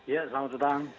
ya selamat petang